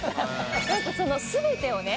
燭その全てをね